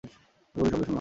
গুলির শব্দ শুনলাম!